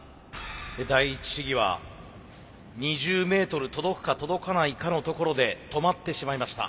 第一試技は２０メートル届くか届かないかのところで止まってしまいました。